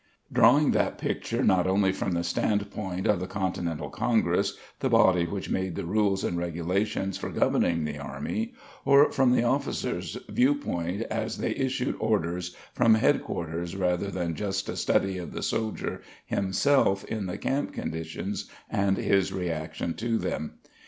Drawing that picture not only from the standpoint of the continental congress, the body which made the rules and regulations for governing the army, or from the officer's view point as they issued orders from headquarters rather just a study of the soldier himself in the camp conditions and his reaction to them.